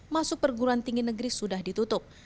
masuk perguruan tinggi negeri sudah ditutup